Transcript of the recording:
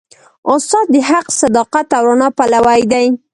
استاد د حق، صداقت او رڼا پلوي دی.